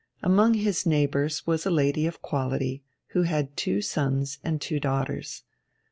Among his neighbours was a lady of quality, who had two sons and two daughters.